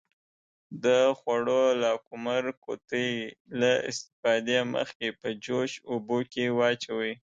د خوړو لاکمُر قوطي له استفادې مخکې په جوش اوبو کې واچوئ.